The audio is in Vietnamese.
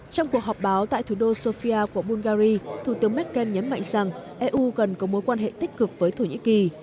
trong cuộc họp báo tại thủ đô sofia của bulgari thủ tướng merkel nhấn mạnh rằng eu cần có mối quan hệ tích cực với thổ nhĩ kỳ